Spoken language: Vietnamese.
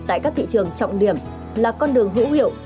tại các thị trường trọng điểm là con đường hữu hiệu